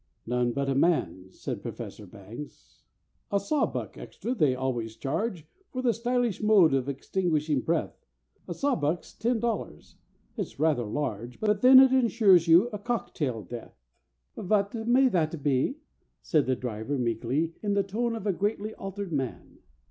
None but a man," said Professor Bangs. "A saw buck extra they always charge For the stylish mode of extinguishing breath. A saw buck's ten dollars. It's rather large, But then it ensures you a cocktail death." "Vot may that be?" said the driver, meekly, In the tone of a greatly altered man.